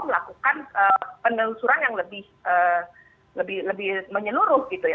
melakukan penelusuran yang lebih menyeluruh gitu ya